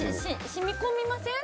染み込みません？